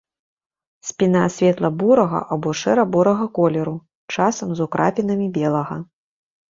Спіна светла-бурага або шэра-бурага колеру, часам з украпінамі белага.